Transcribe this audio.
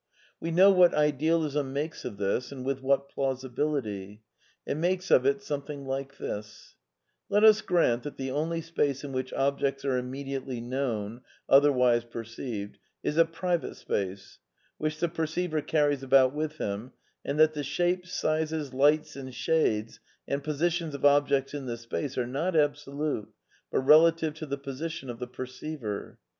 We know what Idealism makes of this, and with what plausibility. It makes of it something like this :— Let us grant that the only space in which objects are immediately known (otherwise perceived), is a "private^ space," 35 which the perceiver carries about with him, and that the shapes, sizes, lights and shildes, and positions of objects in this space are not absolute, but relative to the position of the perceiver.